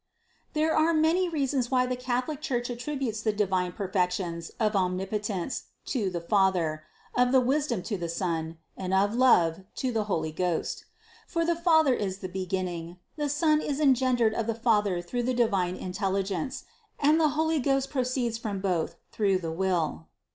There are many reasons why the Catholic Church attrib utes the divine perfections of omnipotence to the Fa ther, of wisdom to the Son, and of love to the Holy Ghost. For the Father is the beginning, the Son is en gendered of the Father through the divine intelligence, and the Holy Ghost proceeds from Both through the will.